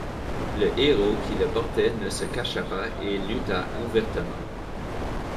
Le héros qui le portait ne se cacha pas et lutta ouvertement.